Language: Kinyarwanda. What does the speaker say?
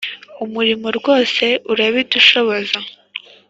Umurimo rwose urabidushoboza